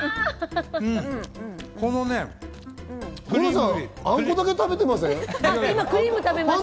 五郎さん、あんこだけ食べてません？